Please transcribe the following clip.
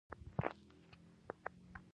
د ملا درد لپاره کوم تېل وکاروم؟